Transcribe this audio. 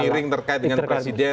peringkiran terkait dengan presiden